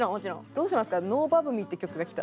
どうしますか？